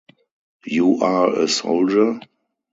You are a soldier?